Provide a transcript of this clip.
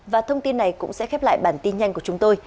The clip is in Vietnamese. và thông tin này cũng sẽ khép lại bản tin nhanh của chúng tôi